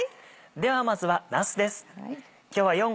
ではまずはなすです。